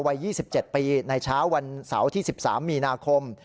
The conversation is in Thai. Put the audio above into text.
วัย๒๗ปีในเช้าวันเสาร์ที่๑๓มีนาคม